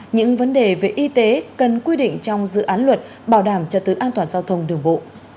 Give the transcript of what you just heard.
những vấn đề về y tế cần quy định trong dự án luật bảo đảm trật tự an toàn giao thông đường bộ